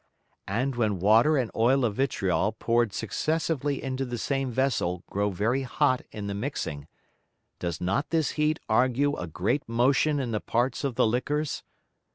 And when Water and Oil of Vitriol poured successively into the same Vessel grow very hot in the mixing, does not this Heat argue a great Motion in the Parts of the Liquors?